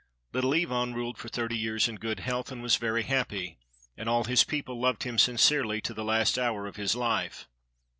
Little Ivan ruled for thirty years in good health, and was very happy, and all his people loved him sincerely to the last hour of his life.